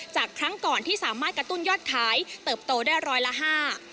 ครั้งก่อนที่สามารถกระตุ้นยอดขายเติบโตได้ร้อยละห้า